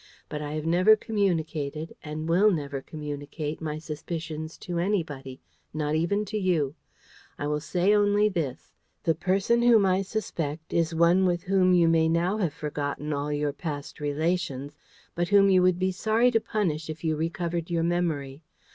"But I have never communicated, and will never communicate, my suspicions to anybody, not even to you. I will only say this: the person whom I suspect is one with whom you may now have forgotten all your past relations, but whom you would be sorry to punish if you recovered your memory.